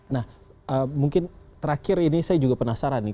nah mungkin terakhir ini saya juga penasaran nih